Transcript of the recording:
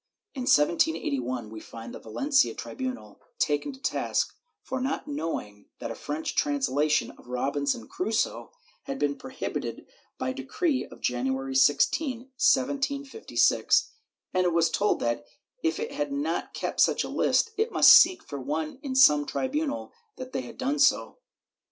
In 1781 we find the Valencia tribunal taken to task for not knowing that a French translation of Robinson Crusoe had been prohibited by decree of January 16, 1756, and it was told that, if it had not kept such a list, it must seek for one in some tribunal that had done so.